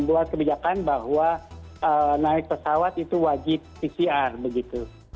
membuat kebijakan bahwa naik pesawat itu wajib pcr begitu